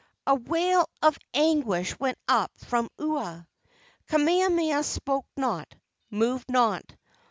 A wail of anguish went up from Ua. Kamehameha spoke not, moved not.